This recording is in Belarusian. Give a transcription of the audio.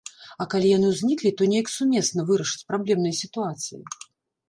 А калі яны ўзніклі, то неяк сумесна вырашыць праблемныя сітуацыі?